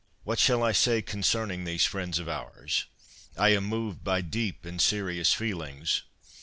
What shall I say concerning these friends of ours ? I am moved by deep and serious feelings.